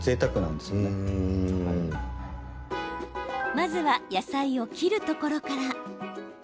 まずは、野菜を切るところから。